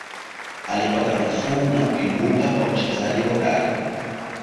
Alipata nafuu na kuibukia kuwa mchezaji hodari